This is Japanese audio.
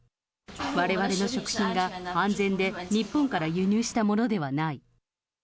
われわれの食品が安全で日本から輸入したものではない。